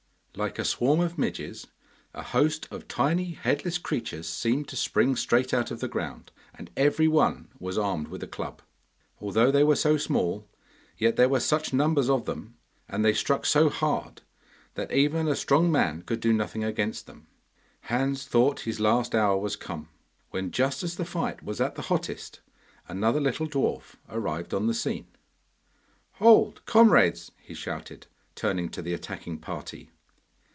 Like a swarm of midges, a host of tiny headless creatures seemed to spring straight out of the ground, and every one was armed with a club. Although they were so small, yet there were such numbers of them and they struck so hard that even a strong man could do nothing against them. Hans thought his last hour was come, when just as the fight was at the hottest another little dwarf arrived on the scene. 'Hold, comrades!' he shouted, turning to the attacking party.